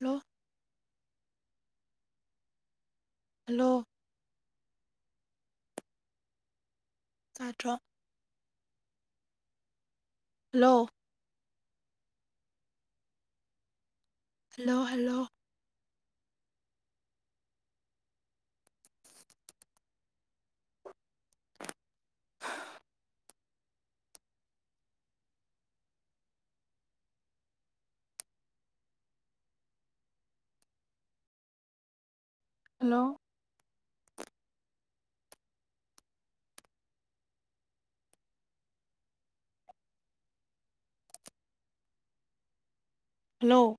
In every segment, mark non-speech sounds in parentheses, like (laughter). ꯂꯣ hello ꯇꯥꯗ꯭ꯔꯣ hello hello hello hello hello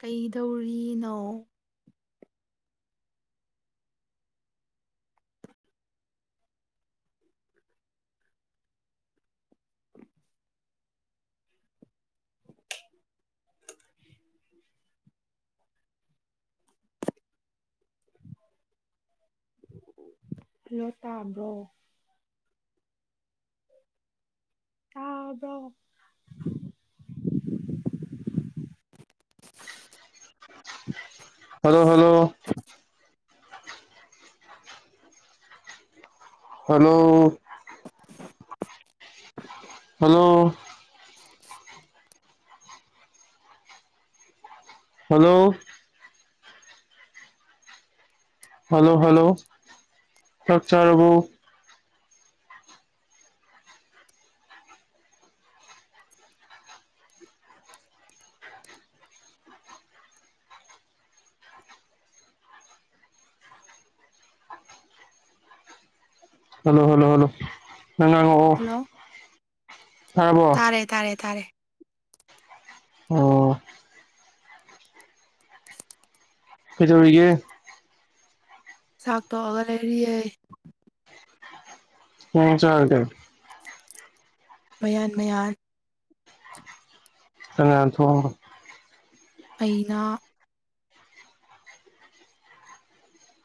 ꯀꯩꯗꯧꯔꯤꯅꯣ (unintelligible) (unintelligible) hello ꯇꯕ꯭ꯔꯣ ꯇꯥꯕ꯭ꯔꯣ hello hello hello hello hello hello hello ꯆꯥꯛ ꯆꯥꯔꯕꯣ ꯍꯜꯂꯣ ꯍꯜꯂꯣ ꯍꯜꯂꯣ ꯅꯪꯉꯥꯡꯉꯛꯑꯣ ꯍꯜꯂꯣ ꯇꯥꯔꯦ ꯇꯥꯔꯦ ꯇꯥꯔꯦ ꯑꯣ ꯀꯩꯗꯧꯔꯤꯒꯦ ꯆꯥꯛ ꯇꯣꯛꯑꯒ ꯂꯩꯔꯤꯌꯦ (unintelligible) ꯆꯥꯔꯒꯦ ꯃꯌꯥꯟ ꯃꯌꯥꯟ ꯀꯅꯥ ꯊꯣꯡꯕꯥ ꯑꯩꯅꯥ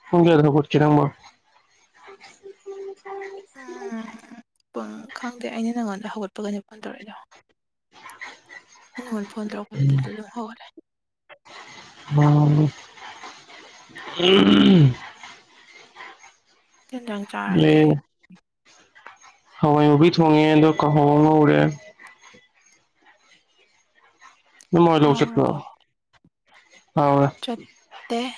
ꯄꯨꯡ ꯀꯌꯥꯗ ꯍꯧꯒꯠꯀꯦ ꯅꯪꯕꯣ (unintelligible) ꯎꯝ ꯄꯨꯡ ꯈꯪꯗꯦ ꯑꯩꯅ ꯅꯪꯉꯣꯟꯗ ꯍꯧꯒꯠꯄꯒꯅꯦ ꯐꯣꯟ ꯇꯧꯔꯛꯏꯗꯣ ꯑꯩ ꯅꯉꯣꯟ ꯐꯣꯟ ꯇꯧꯔꯛꯄꯗ ꯑꯗꯨꯗ ꯑꯗꯨꯝ ꯍꯧꯒꯠꯂꯦ ꯑꯣ (unintelligible) ꯀꯩꯖꯥꯡ ꯆꯥꯔꯒꯦ ꯑꯦ ꯍꯋꯥꯏ ꯃꯨꯕꯤ ꯊꯣꯡꯉꯦ ꯑꯗꯣ ꯀꯥꯡꯍꯧ ꯑꯃ ꯉꯧꯔꯦ ꯅꯣꯏ ꯃꯥꯍꯣꯏ ꯂꯕꯨꯛ ꯆꯠꯄ꯭ꯔꯣ ꯍꯥꯎꯔꯕꯣ ꯍꯥꯎꯋꯦ ꯇꯦꯍꯦ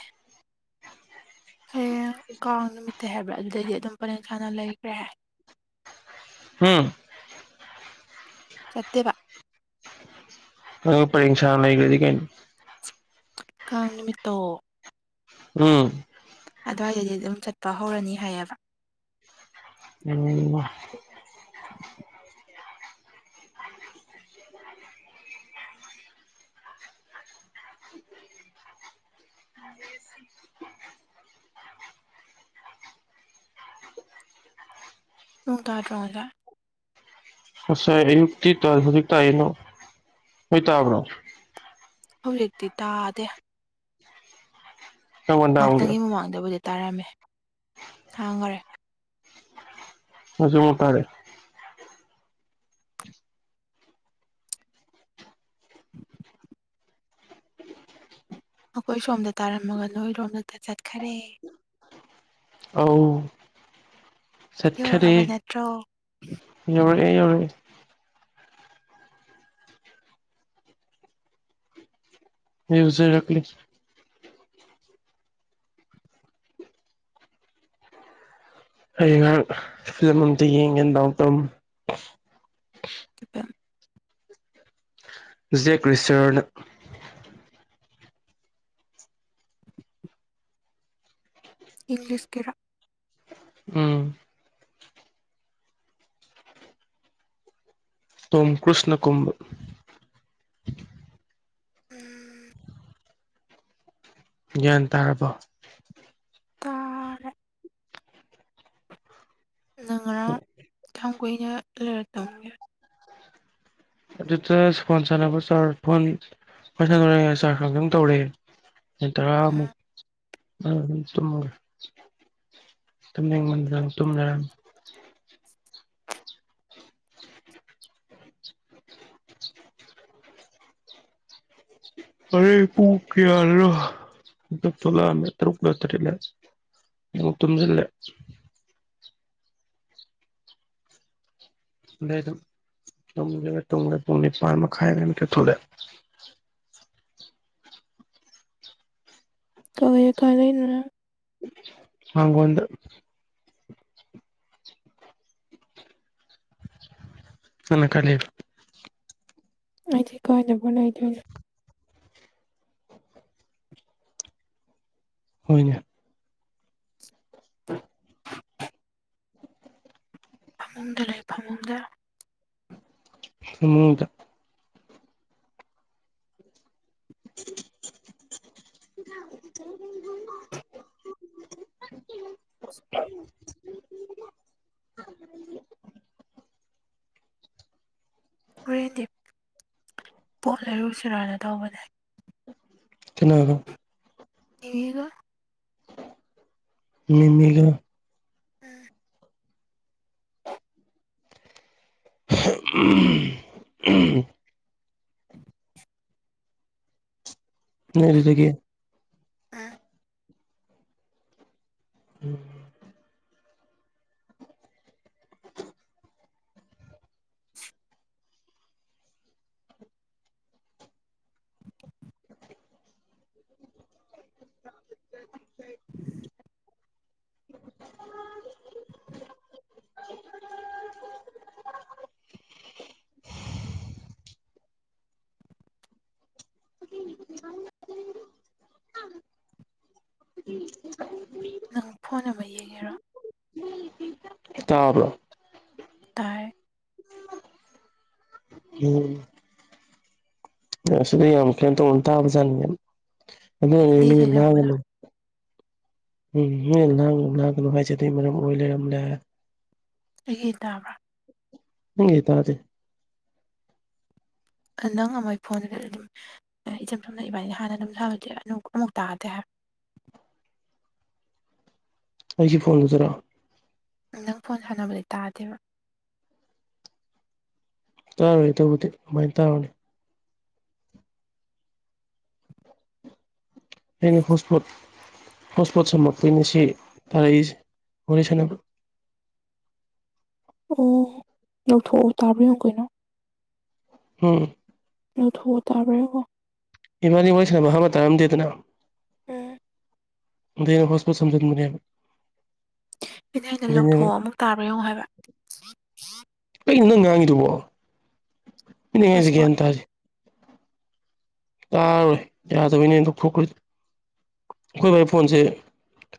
ꯍꯌꯦꯡ ꯀꯥꯡ ꯅꯨꯃꯤꯠꯇꯩ ꯍꯥꯏꯕ꯭ꯔꯥ ꯑꯗꯨꯗꯩꯗꯤ ꯑꯗꯨꯝ ꯄꯔꯦꯡ ꯁꯥꯅ ꯂꯩꯕ ꯌꯥꯍꯥꯏ꯫ ꯍꯝ꯫ ꯆꯠꯇꯦꯕ꯫ ꯑ ꯄꯦꯡꯤꯡꯁꯥꯅ ꯑꯩꯒꯗꯤ ꯀꯅꯤ ꯀꯥꯡ ꯅꯨꯃꯤꯠꯇꯣ꯫ ꯎꯝ ꯑꯗꯨꯋꯥꯏꯗꯗꯤ ꯑꯗꯨꯝ ꯆꯠꯄ ꯍꯧꯔꯅꯤ ꯍꯥꯏꯌꯦꯕ ꯅ ꯑ ꯅꯣꯡ ꯇꯥꯗ꯭ꯔꯣ ꯑꯣꯖꯥ ꯉꯁꯥꯏ ꯑꯌꯨꯛꯇꯤ ꯇꯥꯢ ꯍꯧꯖꯤꯛ ꯇꯥꯢ ꯅꯣ ꯅꯣꯢ ꯇꯥꯕ꯭ꯔꯣ꯫ ꯍꯧꯖꯤꯛꯇꯤ ꯇꯥꯗꯦ ꯅꯪ ꯃꯟꯗꯥꯡꯒꯤ ꯉꯥꯏꯍꯥꯛꯇꯪꯒꯤ ꯃꯃꯥꯡꯗꯕꯨꯗꯤ ꯇꯥꯔꯝꯃꯦ ꯍꯥꯡꯒꯔꯦ ꯍꯧꯖꯤꯛ ꯃꯨꯛ ꯇꯥꯔꯛꯑꯦ꯫ (inaudible) ꯑꯩꯈꯣꯏ ꯁꯣꯝꯗ ꯇꯥꯔꯝꯃꯒ ꯅꯣꯏꯔꯣꯝꯗꯗꯛ ꯆꯠꯈꯔꯦ꯫ ꯑꯧ ꯆꯠꯈꯔꯦ ꯌꯧꯔꯛꯑꯕ ꯅꯠꯇ꯭ꯔꯣ ꯌꯧꯔꯛꯑꯦ ꯌꯧꯔꯛꯑꯦ ꯌꯧꯖꯔꯛꯂꯤ ꯑꯩ ꯉꯍꯥꯛ ꯐꯤꯂꯝ ꯑꯝꯇ ꯌꯦꯡꯒꯦ ꯗꯥꯎ ꯇ (unintelligible) ꯖꯦꯛ ꯔꯤꯆꯔꯠ ꯏꯪꯂꯤꯁ ꯀꯔ ꯎꯝ꯫ ꯇꯣꯝ ꯀ꯭ꯔꯨꯁꯅ ꯀꯨꯝꯕ ꯎꯝ꯫ ꯒ꯭ꯌꯥꯟ ꯇꯥꯔꯕꯣ꯫ ꯇꯥꯔꯦ ꯅꯪ ꯉꯔꯥꯡ ꯀꯌꯥꯝ ꯀꯨꯏꯅ ꯂꯩꯔꯛꯇꯕꯒꯦ꯫ ꯑꯗꯨꯗ ꯐꯣꯟ ꯁꯥꯟꯅꯕ ꯆꯥꯔ ꯐꯣꯟ ꯁꯥꯟꯅ ꯆꯥꯔꯖ ꯉꯥꯛꯇꯪ ꯇꯧꯔꯦ꯫ (unintelligible) ꯇꯨꯝꯅꯤꯡꯃꯟꯗꯅ ꯇꯨꯝ ꯂꯩꯔꯝꯃꯦ ꯑꯔꯦ ꯄ ꯀꯌꯥ ꯊꯣꯛꯂ ꯇꯔꯨꯛ ꯂ ꯇꯔꯦꯂ ꯃꯨꯛ ꯇꯨꯝꯖꯜꯂꯦ (unintelligible) ꯄꯨꯡ ꯅꯤꯄꯥꯜ ꯃꯈꯥꯢ ꯑꯗꯥꯢꯗ ꯃꯤꯀꯞ ꯊꯣꯛꯂꯛꯑꯦ꯫ ꯀꯋꯥꯏ ꯈꯜꯂꯤꯅꯣ ꯅꯪ꯫ ꯃꯥꯡꯒꯣꯟꯗ ꯅꯪꯅ ꯀꯥꯢ ꯂꯩꯕ꯫ ꯑꯩꯗꯤ ꯀꯥꯏꯅꯕꯂꯩꯇꯦ꯫ ꯍꯣꯏꯅꯦ (inaudible) ꯐꯃꯨꯡꯗ ꯂꯩ ꯐꯃꯨꯡꯗ ꯐꯃꯨꯡꯗ꯫ (inaudible) (unintelligible) ꯋꯦꯟꯗꯦ ꯄꯣꯠ ꯂꯩꯔꯨꯁꯦꯔꯥꯅ ꯇꯧꯕꯅꯦ꯫ ꯀꯅꯥꯒ (unintelligible) ꯒ ꯅꯤꯅꯦꯒ꯫ ꯎꯝ ꯎꯝ ꯎꯝ (unintelligible) ꯅꫭꯏ ꯑꯗꯨꯗꯒꯤ ꯑꯥ (unintelligible) (inaudible) (unintelligible) (unintelligible) ꯅꯪ ꯐꯣꯟ ꯅꯥꯝꯕꯔ ꯌꯦꯡꯉꯤꯔꯣ ꯇꯥꯕ꯭ꯔꫭ ꯇꯥꯏ ꯎꯝ ꯅꯪ ꯁꯤꯗ ꯌꯥꯝ ꯀꯩꯩꯅꯇꯧꯅ ꯇꯥꯕꯖꯥꯠꯅꯤꯅꯦ ꯑꯗꯨꯅꯅꯤ ꯍꯤꯟꯗꯤ ꯃꯤ ꯏꯁꯩ ꯁꯛꯄꯗꯣ ꯂꯥꯏꯅ (unintelligible) ꯎꯝ ꯃꯩꯅ ꯂꯥꯡꯒꯅꯨ ꯂꯥꯡꯒꯅꯨ ꯍꯥꯏꯁꯦ ꯑꯗꯨꯒꯤ ꯃꯔꯝ ꯑꯣꯏ ꯂꯩꯔꯝꯃꯦ ꯑꯩꯒꯤ ꯇꯥꯕ꯭ꯔꫭ ꯅꯪꯒꯤ ꯇꯥꯗꯦ꯫ ꯅꯪ ꯑꯃ ꯃꯩꯏ ꯐꯣꯟꯗꯨꯗ ꯑꯗꯨꯝ ꯏꯆꯝ ꯆꯝꯅ ꯏꯕꯥꯅꯤ ꯍꯥꯟꯅ ꯑꯗꯨꯝ ꯁꯥꯟꯅ (unintelligible) ꯑꯃꯨꯛ ꯇꯥꯔꯦ ꯍꯥꯏꯕ ꯑꯩꯁꯤ ꯐꯣꯟ (unintelligible) ꯅꯪ ꯐꯣꯟ ꯁꯥꯟꯅꯕꯗꯤ ꯇꯥꯗꯦꯕ ꯇꯥꯔꯣꯏ ꯑꯗꯨꯕꯨꯗꯤ ꯀꯃꯥꯏꯅ ꯇꯥꯔꯨꯅꯤ ꯑꯩꯅ ꯍꯣꯁꯄꯣꯠ ꯍꯣꯁꯄꯣꯠ ꯁꯃꯛꯄꯩꯏꯅꯦ ꯁꯤ ꯇꯥꯔꯛꯏꯁꯦ ꯋꯥꯔꯤ ꯁꯥꯟꯅꯕ ꯑꯣ ꯂꯧꯊꯣꯛꯑꯣ ꯇꯥꯕ꯭ꯔ ꯌꯦꯡꯑꯨ ꯀꯩꯅꯣ ꯎꯝ ꯂꯧꯊꯣꯛꯑꫭ ꯇꯥꯕ꯭ꯔꯥ ꯌꯦꯡꯑꫭ ꯏꯕꯅꯤ ꯋꯔꯤ ꯁꯥꯟꯅꯕ ꯑꯍꯥꯟꯕ ꯇꯥꯔꯝꯗꯦꯗꯅ ꯎꯝ ꯑꯗꯨ ꯍꯣꯁꯄꫭꯠ ꯁꯝꯖꯤꯟꯕꯅꯦꯕ ꯑꯩꯅ ꯑꯩꯅ ꯂꯧꯊꯣꯛꯑ ꯑꯃꯨꯛ ꯇꯕ꯭ꯔ ꯌꯦꯡꯉꯣ ꯍꯥꯏꯕ ꯀꯩꯅꫭ ꯅꯪꯅ ꯉꯥꯡꯉꯤꯗꯨꯕꯣ ꯃꯤꯅ ꯉꯥꯡ ꯉꯤꯏꯁꯤ ꯍꯣꯠꯁꯄꯣꯠ ꯒꯤꯌꯥꯟ ꯇꯥꯗꯦ ꯇꯥꯔꯣꯏ ꯌꯥꯗꯕꯩꯅꯦ ꯑꯩꯅ ꯂꯥꯎꯊꯣꯛꯈ꯭ꯔꯦ ꯑꯩꯈꯣꯏ ꯕꯥꯒꯤ ꯐꯣꯟꯁꯦ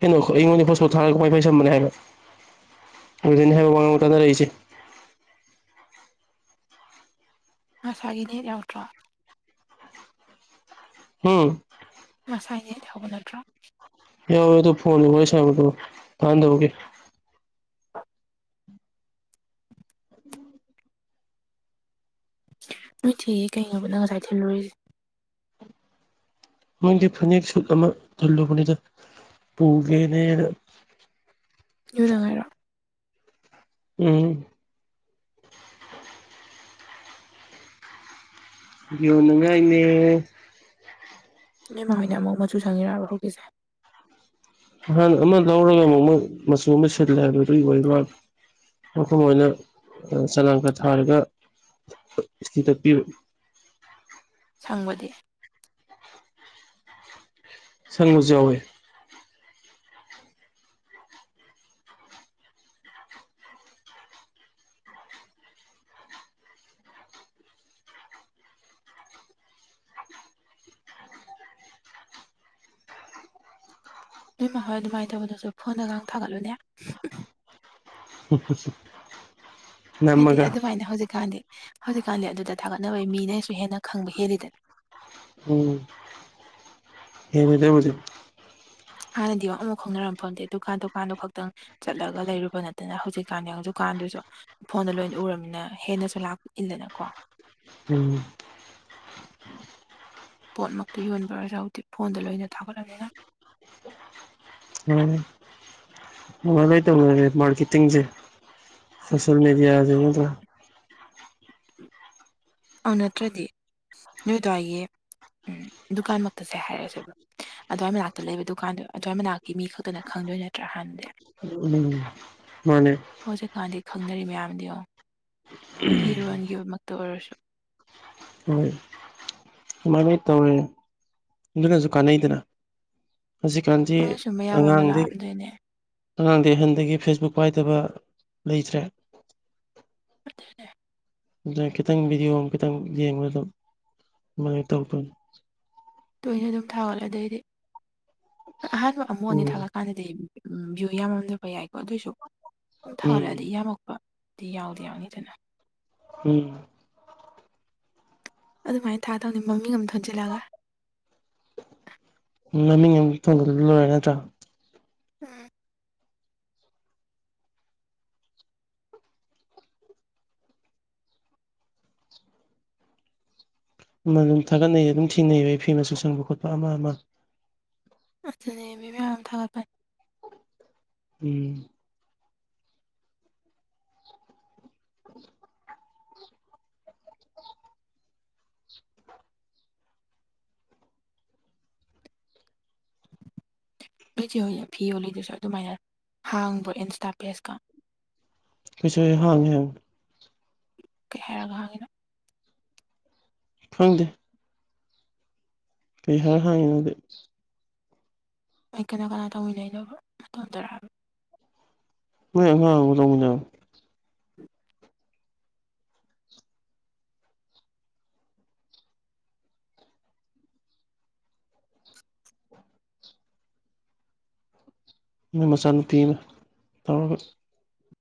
ꯀꯩꯅꯣ ꯑꯩꯉꯣꯟꯗꯩ ꯍꯣꯁꯄꯣꯠ ꯊꯥꯔꯒ ꯋꯥꯏ ꯐꯥꯢ ꯁꯝꯕꯅꯦꯕ ꯍꯥꯏꯕ ꯑꯗꯨꯅꯦ ꯍꯥꯏꯕ ꯋꯥꯉꯥꯡꯕ ꯇꯥꯟꯅꯔꯛꯏꯁꯦ꯫ ꯃꯁꯥꯒꯤ ꯅꯦꯠ ꯌꯥꯎꯗ꯭ꯔꯣ ꯍꯨꯝ ꯃꯁꯥꯒꯤ ꯅꯦꯠ ꯌꯥꯎꯕ ꯅꯠꯇꯔꯣ ꯌꯥꯋꯦ ꯑꯗꯨ ꯐꯣꯟꯗꫭ ꯋꯥꯔꯤ ꯁꯥꯟꯅꯕꯗꯣ ꯇꯥꯅꯗꯕꯒꯤ (inaudible) ꯅꯠꯇꯤꯌꯦ ꯀꯩꯅꯣꯕ ꯅꯪꯅ ꯉꯁꯥꯏ ꯊꯤꯂꯨꯔꯤꯁꯦ ꯃꯣꯏꯗꯤ ꯐꯅꯦꯛ ꯁꯨꯠ ꯑꯃ ꯊꯜꯂꯨꯕꯅꯤꯗꯥ ꯄꯨꯒꯦꯅꯦꯅ (unintelligible) ꯉꯥꯏꯔꫭ ꯎꯝ (unintelligible) ꯉꯥꯥꯏꯅꯦ ꯅꫭꯏ ꯃꯥ ꯍꯣꯏꯅ ꯑꯃꯨꯛ ꯃꯆꯨ ꯁꯪꯉꯔꯛꯑꯕ ꯍꯧꯖꯤꯛꯁꯦ ꯅꯍꯥꯟ ꯑꯃ ꯂꯧꯔꯒ ꯑꯃꯨꯛ ꯃꯆꯨ ꯑꯃ ꯁꯤꯜꯂꯦ ꯑꯗꯨꯗꯒꯤ ꯑꯣꯏꯕ ꯃꯥꯟ (unintelligible) ꯑꯩꯈꯣꯏ ꯃꯥ ꯃꫭꯏꯅ ꯆꯅꯥꯡꯒ ꯊꯥꯔꯒ ꯏꯁꯇꯤ ꯇꯥꯛꯄꯤꯕ ꯁꯪꯕꯗꯤ ꯁꯪꯕꯁꯨ ꯌꯥꯎꯋꯦ ꯅꯣꯏ ꯃꯥ ꯍꯣꯏ ꯑꯗꯨꯃꯥꯏꯅ ꯇꯧꯕꯗꯁꯨ ꯐꯣꯟꯗꯉꯥꯡ ꯊꯥꯒꯠꯂꯨꯅꯦ (unintelligible) ꯍꯥꯏꯗꯤ ꯅꯝꯃꯒ ꯑꯗꯨꯃꯥꯏꯅ ꯍꯧꯖꯤꯛꯀꯥꯟꯗꯤ ꯍꯧꯖꯤꯛꯀꯥꯟꯗꯤ ꯑꯗꯨꯗ ꯊꯥꯒꯠꯅꯕꯩ ꯃꯤꯅꯁꯨ ꯍꯦꯟꯅ ꯈꯪꯕ ꯍꯦꯜꯂꯤꯗꯅ ꯎꯝ ꯍꯦꯜꯂꯤ ꯑꯗꯨꯕꯨꯗꯤ ꯍꯥꯟꯅꯗꯤ ꯋꯥꯨꯥꯎ ꯈꯥꯎꯅꯔꯝ ꯐꯪꯗꯦ ꯗꯨꯀꯥꯟ ꯗꯨꯀꯥꯟꯗꯣ ꯈꯛꯇꯪ ꯆꯠꯂꯒ ꯂꯩꯔꯨꯕ ꯅꯠꯇꯅ ꯍꯧꯖꯤꯛꯀꯥꯟꯗꯤ ꯍꯧꯛꯀꯥꯟꯗꯨꯁꯨ ꯐꯣꯟꯗꯣ ꯂꯣꯏꯅ ꯎꯔꯕꯅꯤꯅ ꯍꯦꯟꯅꯁꯨ ꯂꯥꯛ ꯏꯟꯗꯅꯀꯣ ꯎꯝ ꯄꯣꯠꯃꯛꯇ ꯌꯣꯟꯕꯖꯁꯨ ꯍꯧꯖꯤꯤ ꯐꯣꯟꯗ ꯂꯣꯏꯅ ꯊꯥꯒꯠꯂꯅꯤꯅ ꯎꯝ ꯅꯨꯡꯉꯥꯏ ꯂꯣꯏ ꯇꯧꯅꯔꯦ ꯃꯥꯔꯀꯦꯇꯤꯡꯁꯦ ꯁꯣꯁꯦꯜ ꯃꯦꯗꯤꯌꯥꯁꯦ ꯅꯠꯇ꯭ꯔꯒ ꯑꯧ ꯅꯠꯇ꯭ꯔꯗꯤ ꯅꯣꯏ ꯑꯗꯨ꯭ꯋꯥꯏꯒꯤ ꯎꯝ ꯗꯨꯀꯥꯟꯃꯛꯇꯁꯦ ꯍꯥꯏꯔꯁꯦꯕ ꯑꯗꯨꯋꯥꯏ ꯃꯅꯥꯛꯇ ꯂꯩꯕ ꯗꯨꯀꯥꯟꯗꯣ ꯑꯗꯨꯋꯥꯏ ꯃꯅꯥꯛꯀꯤ ꯃꯤ ꯈꯛꯇꯅ ꯈꯪꯗꯣꯏ ꯅꯠꯇ꯭ꯔꯥ ꯍꯥꯟꯗꯤꯦ ꯎꯝ ꯃꯥꯅꯦ ꯍꯧꯖꯤꯛꯀꯥꯟꯗꯤ ꯈꯪꯅꯔꯤ ꯃꯌꯥꯝꯗꯤ ꯑꯣ ꯐꯤꯔꯣꯟꯒꯤꯃꯛꯇ ꯑꯣꯏꯔꯁꯨ ꯍꯣꯏ ꯑꯗꯨꯃꯥꯏ ꯇꯧꯔꯦ ꯑꯗꯨꯅꯁꯨ ꯀꯥꯟꯅꯩꯗꯅ ꯍꯧꯖꯤꯛꯀꯥꯟꯁꯤ ꯑꯗꯨꯅꯁꯨ ꯃꯌꯥꯝ ꯑꯃ ꯑꯉꯥꯡꯗꯤ ꯂꯥꯛꯑꯝꯗꯣꯏꯅꯦ ꯑꯉꯥꯡꯗꯤ ꯑꯍꯟꯗꯒꯤ ꯐꯦꯁꯕꯨꯛ ꯄꯥꯏꯗꯕ ꯂꯩꯇ꯭ꯔꯦ ꯄꯦ ꯑꯗꯨꯅ ꯈꯤꯇꯪ ꯚꯤꯗꯤꯑꯣ ꯑꯃ ꯈꯤꯇꯪ ꯌꯦꯡꯕꯗꯝ ꯑꯗꯨꯃꯥꯏꯅ ꯇꯧꯛꯇꯅꯤ ꯇꯣꯏꯅ ꯑꯗꯨꯝ ꯊꯥꯒꯠꯂꯦ ꯑꯗꯩꯗꯤ ꯑꯍꯥꯟꯕ ꯑꯃꯛꯅꯤ ꯎꯝ ꯊꯥꯒꯠꯂꯀꯥꯟꯗꯗꯤ ꯎꯝ ꯚꯨ ꯌꯥꯝꯃꯝꯗꯕ ꯌꯥꯏꯀꯣ ꯑꯗꯨꯑꯣꯏꯁꯨ ꯎꯝ ꯊꯥꯒꯠꯂꯛꯑꯗꯤ ꯌꯥꯝꯃꯛꯄ ꯗꯤ ꯌꯥꯎꯗꯤ ꯌꯥꯎꯅꯤꯗꯅ ꯎꯝ ꯑꯗꯨꯃꯥꯏꯅ ꯊꯥꯗꯧꯅꯤ ꯃꯃꯤꯡ ꯑꯃꯝ ꯊꯣꯟꯖꯤꯜꯂꯒ ꯎ ꯃꯃꯤꯡ ꯑꯃ ꯊꯣꯡꯒꯠꯂ ꯂꯣꯏꯔꯦ ꯅꯠꯇ꯭ꯔꯥ ꯎꯝ ꯑꯗꯨꯝ ꯊꯥꯒꯠꯅꯩꯌꯦ ꯑꯗꯨꯝ ꯊꯦꯡꯅꯩꯌꯦꯕ ꯐꯤ ꯃꯁꯨ ꯁꯪꯕ ꯈꯣꯠꯄ ꯑꯃ ꯑꯃ ꯑꯗꯨꯅꯦꯕꯤ ꯃꯌꯥꯝ ꯊꯥꯒꯠꯄꯅꯦ ꯎꯝ ꯐ ꯐꯤ ꯌꯣꯜꯂꯤꯗꯨꯁꯨ ꯑꯗꯨꯃꯥꯏꯅ ꯍꯥꯡꯕ꯭ꯔꯣ ꯏꯟꯁꯇꯥ ꯄꯦꯖꯀ ꯀꯩꯁꯨ ꯍꯥꯡꯉꯦ ꯍꯪ ꯀꯩ ꯍꯥꯏꯔꯒ ꯍꯪꯉꯤꯅꯣ ꯐꯪꯗꯦ ꯄꯩꯁꯥꯔ ꯍꯥꯡꯉꯅꯗ ꯑꯩ ꯀꯅꯥ ꯀꯅꯥ ꯇꯧꯃꯤꯟꯅꯩꯗꯣ ꯇꯣꯟꯖꯔꯛꯑꯕ ꯎ ꯃꯣ ꯃꯅꯣ ꯃꯆꯥꯅꯨꯄꯤꯤꯅ ꯇꯧꯔꯒ